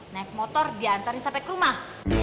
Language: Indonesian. naik motor diantarin sampai ke rumah